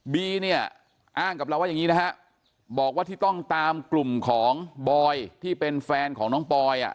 บีเนี่ยอ้างกับเราว่าอย่างนี้นะฮะบอกว่าที่ต้องตามกลุ่มของบอยที่เป็นแฟนของน้องปอยอ่ะ